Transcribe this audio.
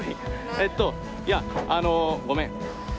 えっといやあのごめん。